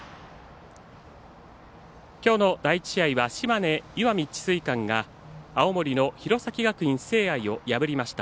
きょうの第１試合は島根、石見智翠館が青森の弘前学院聖愛を破りました。